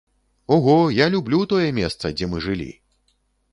Ого, я люблю тое месца, дзе мы жылі.